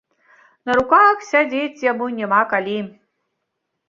На руках сядзець яму няма калі.